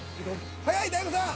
早い大悟さん。